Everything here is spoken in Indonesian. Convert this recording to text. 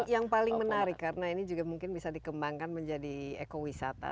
yang paling menarik karena ini juga mungkin bisa dikembangkan menjadi ekowisata